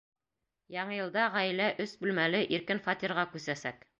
Яңы йылда ғаилә өс бүлмәле иркен фатирға күсәсәк.